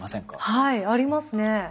はいありますね。